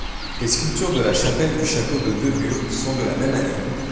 Les sculptures de la chapelle du château de Neuburg sont de la même année.